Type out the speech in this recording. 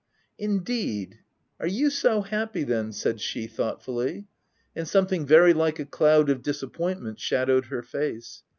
" Indeed ! Are you so happy then V said she thoughtfully ; and something very like a cloud of disappointment shadowed lier face.